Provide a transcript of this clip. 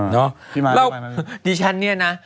แล้วดิฉันเนี่ยนะ